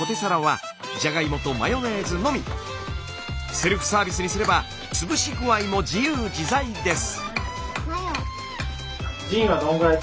セルフサービスにすれば潰し具合も自由自在です。